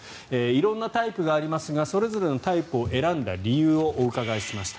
色んなタイプがありますがそれぞれのタイプを選んだ理由をお伺いしました。